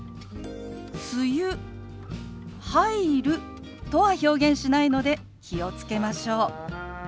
「梅雨入る」とは表現しないので気を付けましょう。